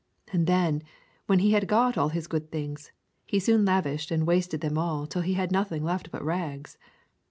And then, when he had got all his good things, he soon lavished and wasted them all till he had nothing left but rags.